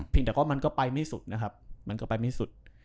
เพียงแต่ว่ามันก็ไปไม่ที่สุดนะครับมันก็ไปไม่ที่สุด